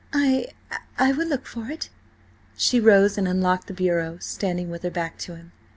"I–I will look for it." She rose and unlocked the bureau, standing with her back to him.